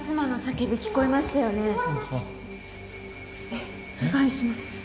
えっお願いします